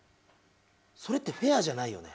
それってフェアじゃないよね。